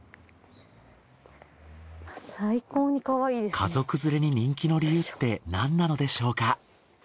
家族連れに人気の理由ってなんなのでしょうか？